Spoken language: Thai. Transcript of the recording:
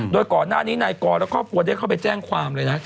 โดยก่อนหน้านี้นายกรและครอบครัวได้เข้าไปแจ้งความเลยนะ